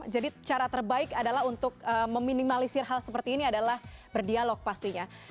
cara terbaik adalah untuk meminimalisir hal seperti ini adalah berdialog pastinya